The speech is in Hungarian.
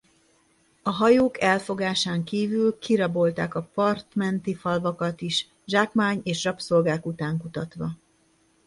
A hajók elfogásán kívül kirabolták a partmenti falvakat is zsákmány és rabszolgák után kutatva.